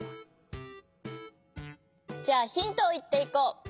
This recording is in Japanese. じゃあヒントをいっていこう。